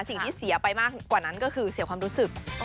เสียไปมากกว่านั้นก็คือเสียความรู้สึก